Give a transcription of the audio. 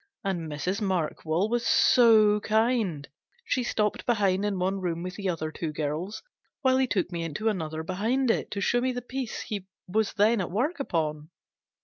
And Mrs. Markwell was so kind ; she stopped behind in one room with the other two girls, while he took me into another behind it, to show me the piece he was then at work upon.